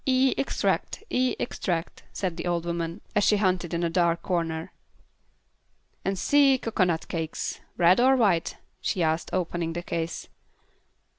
"E extract, E extract," said the old woman, as she hunted in a dark corner. "And C cocoanut cakes. Red or white?" she asked, opening the case.